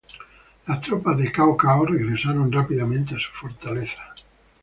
Las tropas de Cao Cao regresaron rápidamente a su fortaleza.